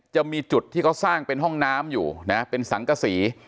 จะมีจุดที่เขาสร้างเป็นห้องน้ำอยู่นะเป็นสังกษี